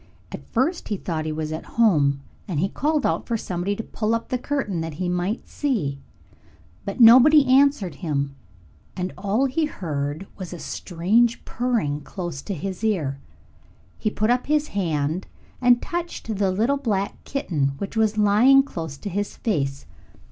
At first he thought he was at home, and he called out for somebody to pull up the curtain that he might see. But nobody answered him, and all he heard was a strange purring, close to his ear. He put up his hand and touched the little black kitten, which was lying close to his face.